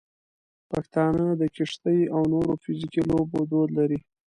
پښتانه د کشتۍ او نورو فزیکي لوبو دود لري.